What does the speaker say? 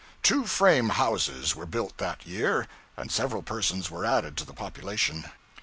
Two frame houses were built that year, and several persons were added to the population.